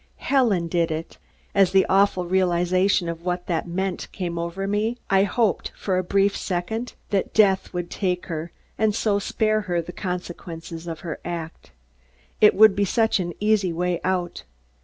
Helen did it! As the awful realization of what that meant came over me, I hoped, for a brief second, that death would take her and so spare her the consequences of her act. It would be such an easy way out.